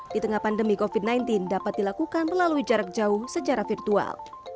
di tengah pandemi covid sembilan belas dapat dilakukan melalui jarak jauh secara virtual